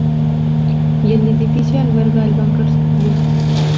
Y el edificio alberga al Bankers Club.